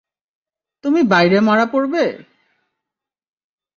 তুমি বাইরে মারা পরবে!